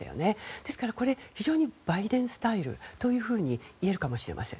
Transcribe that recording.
ですからこれ、非常にバイデンスタイルといえるかもしれません。